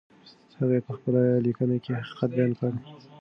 هغې په خپله لیکنه کې حقیقت بیان کړ.